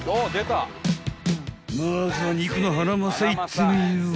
［まずは肉のハナマサいってみよう］